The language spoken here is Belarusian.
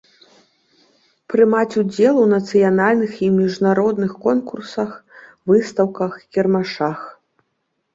Прымаць удзел у нацыянальных i мiжнародных конкурсах, выстаўках, кiрмашах.